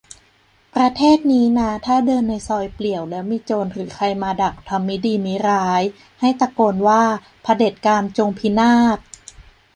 "ประเทศนี้นะถ้าเดินในซอยเปลี่ยวแล้วมีโจรหรือใครมาดักทำมิดีมิร้าย ให้ตะโกนว่า "เผด็จการจงพินาศ